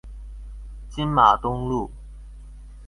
金馬東路